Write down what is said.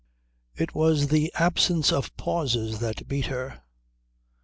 It was the absence of pauses that beat her.